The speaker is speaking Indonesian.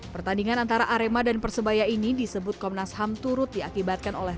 pertandingan antara arema dan persebaya ini disebut komnas ham turut diakibatkan oleh